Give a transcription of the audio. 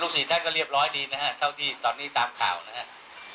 ๔ท่านก็เรียบร้อยดีนะฮะเท่าที่ตอนนี้ตามข่าวนะครับ